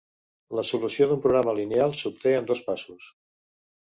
La solució d'un programa lineal s'obté en dos passos.